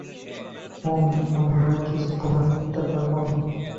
ওম, আমরা কিছু প্রমাণ করতে পারব না।